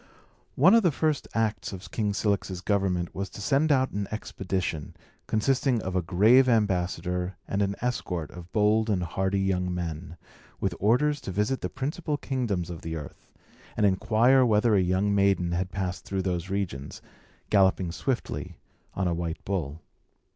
One of the first acts of King Cilix's government was to send out an expedition, consisting of a grave ambassador and an escort of bold and hardy young men, with orders to visit the principal kingdoms of the earth, and inquire whether a young maiden had passed through those regions, galloping swiftly on a white bull.